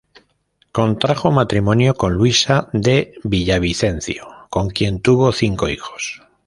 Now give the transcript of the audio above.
Contrajo matrimonio con Luisa de Villavicencio, con quien tuvo cinco hijos.